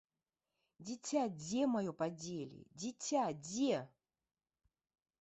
Дзіця дзе маё падзелі, дзіця дзе?